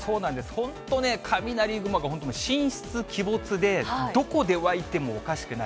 本当ね、雷雲が本当、神出鬼没で、どこで湧いてもおかしくない。